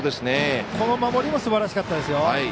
この守りもすばらしかったですよ。